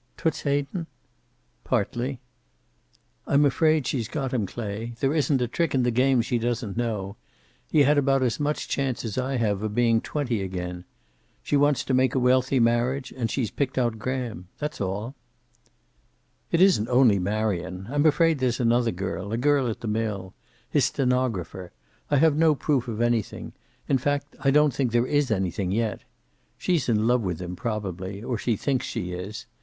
"Toots Hayden?" "Partly." "I'm afraid she's got him, Clay. There isn't a trick in the game she doesn't know. He had about as much chance as I have of being twenty again. She wants to make a wealthy marriage, and she's picked on Graham. That's all." "It isn't only Marion. I'm afraid there's another girl, a girl at the mill his stenographer. I have no proof of anything. In fact, I don't think there is anything yet. She's in love with him, probably, or she thinks she is.